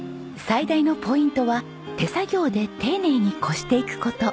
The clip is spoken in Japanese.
最大のポイントは手作業で丁寧に濾していく事。